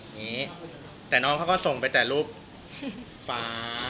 อย่างนี้แต่น้องเขาก็ส่งไปแต่รูปฟ้า